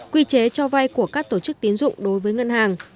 quy chế cho vay của các tổ chức tiến dụng đối với ngân hàng